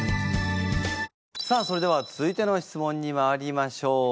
さあそれでは続いての質問にまいりましょう！